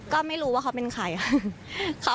ก็ไม่รู้ว่าเขาเป็นใครค่ะ